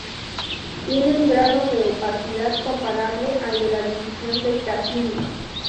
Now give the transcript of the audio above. Tiene un grado de opacidad comparable al de la división de Cassini.